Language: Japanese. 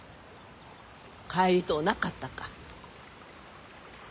帰りとうなかったか？